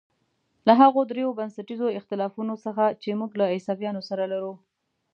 له هغو درېیو بنسټیزو اختلافونو څخه چې موږ له عیسویانو سره لرو.